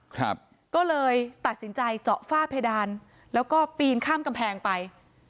ครับก็เลยตัดสินใจเจาะฝ้าเพดานแล้วก็ปีนข้ามกำแพงไป